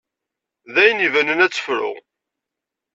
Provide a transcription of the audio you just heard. D ayen ibanen ad terfu.